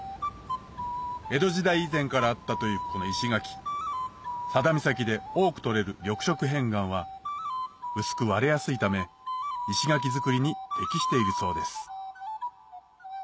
江戸時代以前からあったというこの石垣佐田岬で多く取れる緑色片岩は薄く割れやすいため石垣づくりに適しているそうです